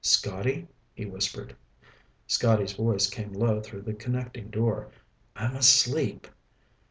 "Scotty?" he whispered. Scotty's voice came low through the connecting door. "I'm asleep."